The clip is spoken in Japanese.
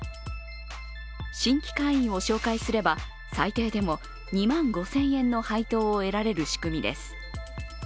新規会員を紹介すれば最低でも２万５０００円の配当を得られる仕組みです。